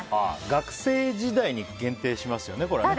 学生時代に限定しますよね。